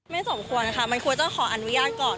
สมควรค่ะมันควรจะขออนุญาตก่อน